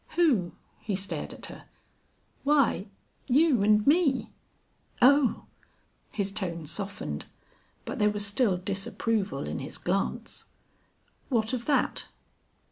"Who?" He stared at her. "Why, you and me." "Oh!" His tone softened, but there was still disapproval in his glance. "What of that?"